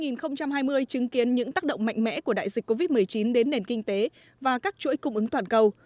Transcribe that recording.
năm hai nghìn hai mươi chứng kiến những tác động mạnh mẽ của đại dịch covid một mươi chín đến nền kinh tế và các chuỗi cung ứng toàn cầu